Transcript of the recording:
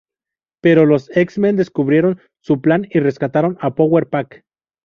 Pero los X-Men descubrieron su plan y rescataron a Power Pack.